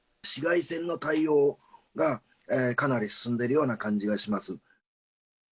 市街戦の対応がかなり進んでいるような感じがします。